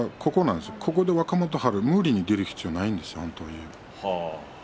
ここで若元春無理に出る必要はないんです。